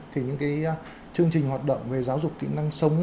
thì những cái chương trình hoạt động về giáo dục kỹ năng sống